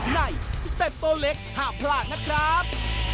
ในสเต็ปตัวเล็กห้ามพลาดนะครับ